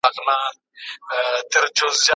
په خوب ویده فکرونه وپارېدل